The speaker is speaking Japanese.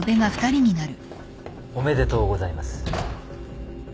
おめでとうございます。